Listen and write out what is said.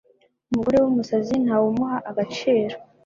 Umugore wumusazi ntawumuha agaciro